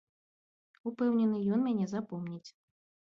Упэўнены, ён мяне запомніць.